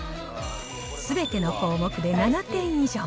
すべての項目で７点以上。